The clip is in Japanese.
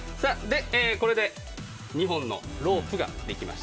これで２本のロープができました。